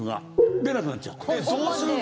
出なくなっちゃうの。